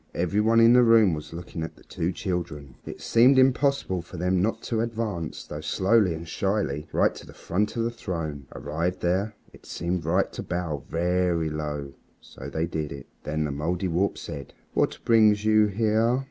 Every one in the room was looking at the two children, and it seemed impossible for them not to advance, though slowly and shyly, right to the front of the throne. Arrived there, it seemed right to bow, very low. So they did it. Then the Mouldiwarp said "What brings you here?"